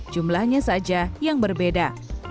jumlahnya saja yang berbeda